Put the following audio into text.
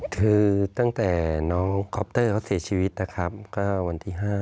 คือตั้งแต่น้องคอปเตอร์เขาเสียชีวิตนะครับก็วันที่๕